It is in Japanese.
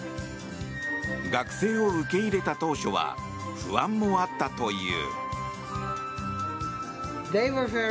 学生を受け入れた当初は不安もあったという。